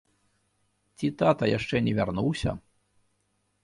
Ці тата яшчэ не вярнуўся?